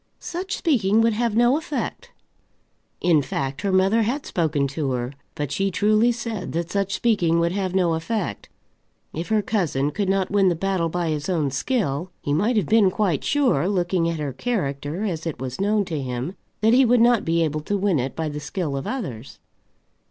"Such speaking would have no effect." In fact, her mother had spoken to her, but she truly said that such speaking would have no effect. If her cousin could not win the battle by his own skill, he might have been quite sure, looking at her character as it was known to him, that he would not be able to win it by the skill of others.